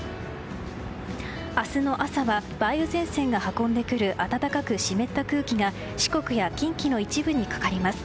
明日の朝は梅雨前線が運んでくる暖かく湿った空気が四国や近畿の一部にかかります。